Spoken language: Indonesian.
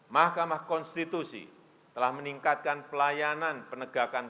mahkamah konstitusi telah meningkatkan pelayanan penegakan hukum